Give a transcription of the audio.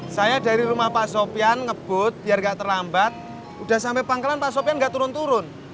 saya dari rumah pak sopian ngebut biar gak terlambat udah sampe pangkalan pak sopian gak turun turun